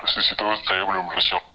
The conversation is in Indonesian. saya benar benar shock